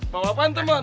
mau apaan temen